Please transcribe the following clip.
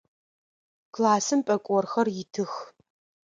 Классым пӏэкӏорхэр итых.